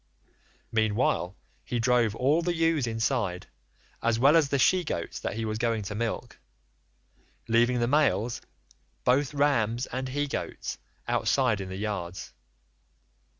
Meanwhile he drove all the ewes inside, as well as the she goats that he was going to milk, leaving the males, both rams and he goats, outside in the yards.